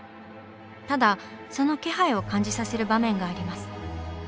ただその気配を感じさせる場面があります。